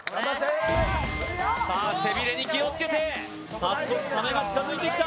背ビレに気をつけて早速サメが近づいてきた